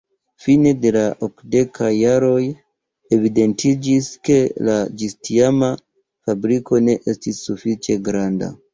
Fine de la okdekaj jaroj, evidentiĝis ke la ĝistiama fabriko ne estis sufiĉe granda.